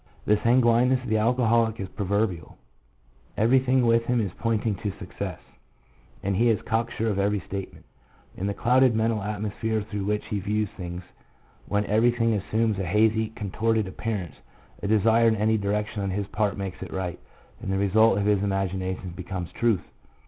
The sanguineness of the alcoholic is proverbial ; everything with him is pointing to success, and he is cocksure of every statement. In the clouded mental atmosphere through which he views things, when INTELLECT (NOT INCLUDING MEMORY). 93 everything assumes a hazy, contorted appearance, a desire in any direction on his part makes it right, and the result of his imagination becomes truth.